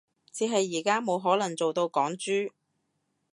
只係而家冇可能做到港豬